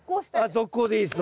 続行でいいです。